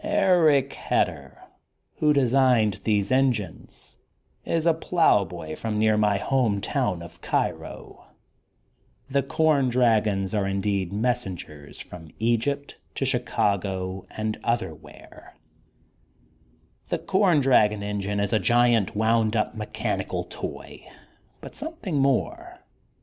"Eric Hedder, who designed these engines, IS a ploughboy from near my home town of Cairo. The com dragons are indeed messen THE GOLDEN BOOK OF SPRINGFIELD 181 gers from Egypt to Chicago, and other where. The com dragon engine is a giant wonnd up mechanical toy bnt something more.